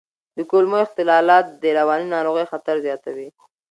د کولمو اختلالات د رواني ناروغیو خطر زیاتوي.